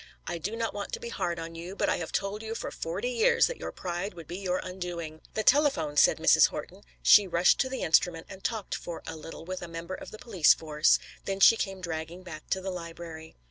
I do not want to be hard on you, but I have told you for forty years that your pride would be your undoing." "The telephone!" said Mrs. Horton. She rushed to the instrument and talked for a little with a member of the police force, then she came dragging back to the library.